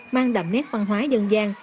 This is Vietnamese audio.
mang đậm nét văn hóa dân gian